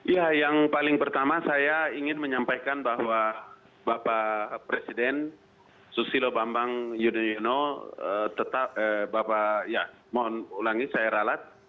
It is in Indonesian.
ya yang paling pertama saya ingin menyampaikan bahwa bapak presiden susilo bambang yudhoyono tetap bapak ya mohon ulangi saya ralat